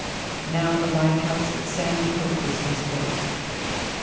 Now the lighthouse at Sandy Hook was visible.